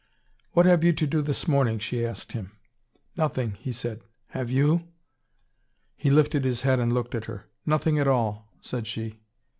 "What have you to do this morning?" she asked him. "Nothing," he said. "Have you?" He lifted his head and looked at her. "Nothing at all," said she.